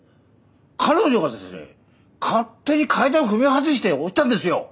彼女がですね勝手に階段踏み外して落ちたんですよ！